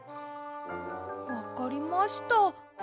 わかりました。